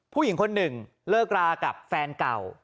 ผู้หญิงคนหนึ่งเลิกรากับแฟนเก่า